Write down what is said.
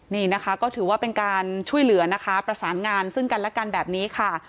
นี่นะคะก็ถือว่าเป็นการช่วยเหลือนะคะประสานงานซึ่งกันและกันแบบนี้ค่ะ